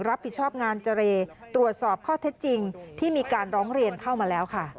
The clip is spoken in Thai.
รับผิดชอบงานเจรตรวจสอบข้อเท็จจริงที่มีการร้องเรียนเข้ามาแล้วค่ะ